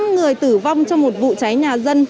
năm người tử vong trong một vụ cháy nhà dân